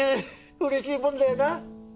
うれしいもんだよな。